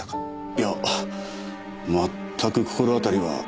いや全く心当たりは。